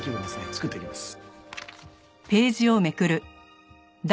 作ってきます。